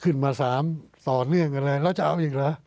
ขึ้นมา๓ต่อเนื่องกันเลยแล้วจะเอาอีกเหรอ